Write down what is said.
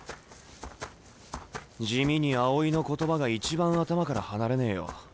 地味に青井の言葉が一番頭から離れねえよ。